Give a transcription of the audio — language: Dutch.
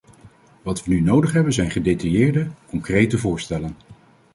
Wat we nu nodig hebben zijn gedetailleerde, concrete voorstellen.